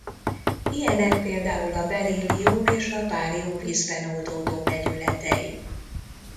Ilyenek pl a berillium és a bárium vízben oldódó vegyületei.